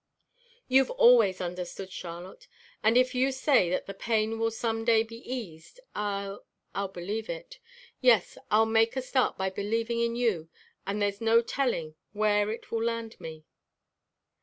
"You've always understood, Charlotte, and if you say that the pain will some day be eased I'll I'll believe it. Yes, I'll make a start by believing in you and there's no telling where it will land me."